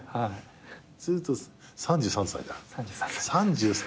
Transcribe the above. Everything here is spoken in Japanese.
すると３３歳だ。